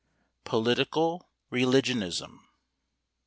"POLITICAL RELIGIONISM."